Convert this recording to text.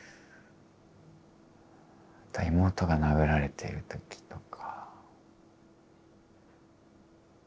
妹が殴られている時とか。